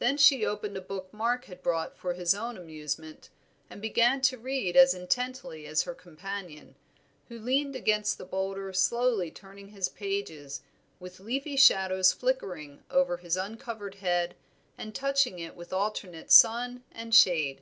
Then she opened a book Mark had brought for his own amusement, and began to read as intently as her companion, who leaned against the boulder slowly turning his pages, with leafy shadows flickering over his uncovered head and touching it with alternate sun and shade.